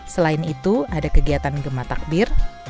selain itu ada kegiatan gemah takbir